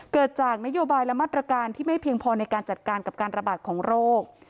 เกิดจากนโยบายและมาตรการที่ไม่เพียงพอในการจัดการกับการระบาดของโรค